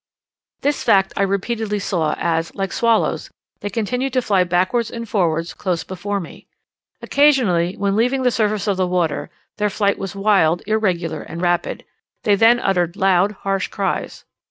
This fact I repeatedly saw, as, like swallows, they continued to fly backwards and forwards close before me. Occasionally when leaving the surface of the water their flight was wild, irregular, and rapid; they then uttered loud harsh cries.